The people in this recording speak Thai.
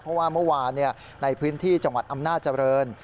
เพราะว่าเมื่อวานในพื้นที่จังหวัดอำนาจริง